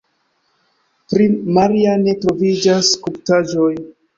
Pri Maria ne troviĝas skulptaĵoj.